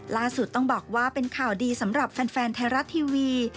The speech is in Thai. ล่าสุดต้องบอกว่าเป็นข่าวดีสำหรับแฟนไทยรัฐทีวี